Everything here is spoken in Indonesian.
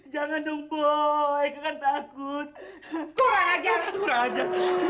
jangan dong boy takut kurang aja